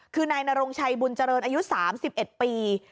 คือนายนรงชัยบุญเจริญอายุ๓๑ปี